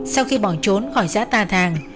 sau khi bỏ trốn khỏi xã ta thàng